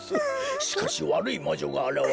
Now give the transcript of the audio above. しかしわるいまじょがあらわれ